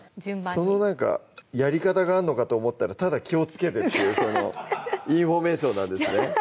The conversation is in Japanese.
そのなんかやり方があんのかと思ったらただ「気をつけて」っていうそのインフォメーションなんですね